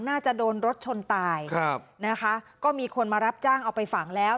น่าจะโดนรถชนตายครับนะคะก็มีคนมารับจ้างเอาไปฝังแล้ว